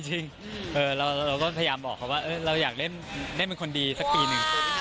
จริงเราก็พยายามบอกเขาว่าเราอยากเล่นเป็นคนดีสักปีหนึ่ง